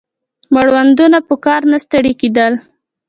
مړوندونه په کار نه ستړي کېدل